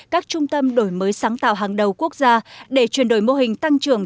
các trung tâm đổi mới sáng tạo hàng đầu quốc gia để chuyển đổi mô hình tăng trưởng